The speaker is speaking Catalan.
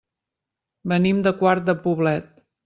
Venim de Quart de Poblet.